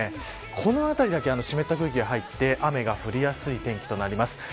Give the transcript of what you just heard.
この辺りだけ湿った空気が入り雨が降りやすくなります。